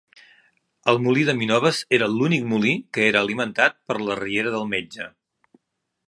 El molí de minoves era l'únic molí que era alimentat per la riera del Metge.